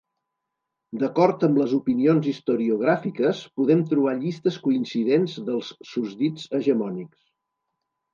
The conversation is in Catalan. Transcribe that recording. D'acord amb les opinions historiogràfiques, podem trobar llistes coincidents dels susdits hegemònics.